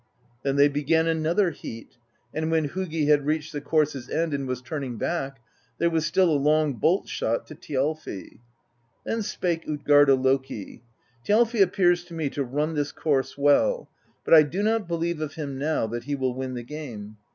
Then they began another heat; and when Hugi had reached the course's end, and was turning back, there was still a long bolt shot to Thjalfi. Then spake Utgarda Loki: ^Thjalfi appears to me to run this course well, but I do not believe of him now that he will win the game.